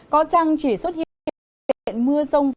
có chăng chỉ xuất hiện mưa rông